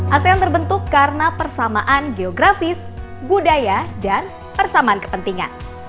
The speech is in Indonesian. asean terbentuk karena persamaan geografis budaya dan persamaan kepentingan